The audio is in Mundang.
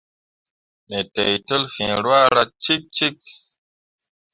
Me teitel fiŋ ruahra cikcik.